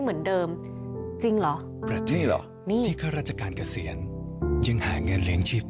อยู่ไม่ได้แน่นอน